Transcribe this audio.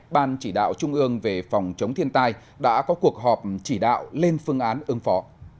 ban chỉ đạo trung ương về phòng chống thiên tai đã có cuộc họp chỉ đạo lên phương án ứng phó